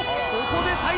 ここで。